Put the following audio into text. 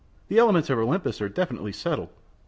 "The elements of Olympus are definitively settled.